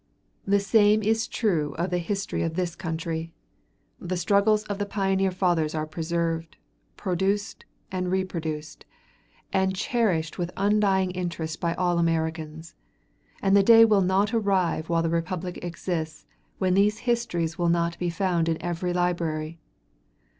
The same is true of the history of this country. The struggles of the pioneer fathers are preserved, produced and re produced, and cherished with undying interest by all Americans, and the day will not arrive while the Republic exists, when these histories will not be found in every library.